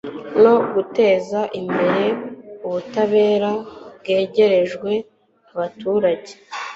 no guteza imbere ubutabera bwegerejwe abaturage